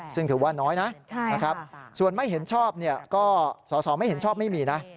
ซึ่งถือว่าน้อยนะส่วนไม่เห็นชอบก็สอสอไม่เห็นชอบไม่มีนะ